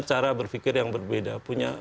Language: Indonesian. cara berpikir yang berbeda punya